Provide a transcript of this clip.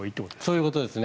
そういうことです。